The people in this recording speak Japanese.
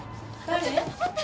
誰？